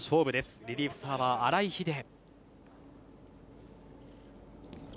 リリーフサーバー・荒井貴穂。